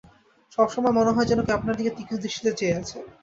সবসময় মনে হয় যেন কেউ আপনার দিকে তীক্ষ্ণ দৃষ্টিতে চেয়ে আছে।